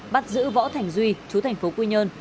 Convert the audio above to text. bắt giữ võ thành duy chú thành phố quy nhơn